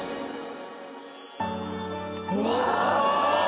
うわ！